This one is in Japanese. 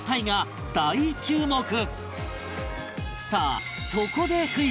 さあそこでクイズ